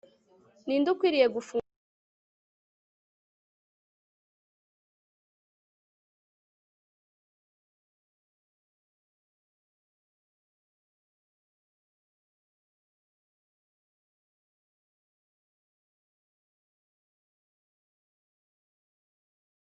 Niba badashaka ibi barashaka iki